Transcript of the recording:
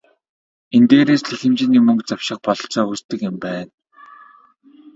Энэ дээрээс л их хэмжээний мөнгө завших бололцоо үүсдэг юм байна.